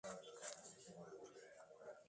Sustituyó al Challenger, y al Charger.